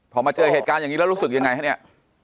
พอมาเจอเหตุการณ์อย่างนี้แล้วรู้สึกยังไงฮะเนี่ย